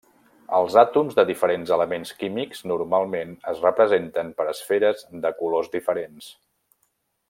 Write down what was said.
Els àtoms de diferents elements químics normalment es representen per esferes de colors diferents.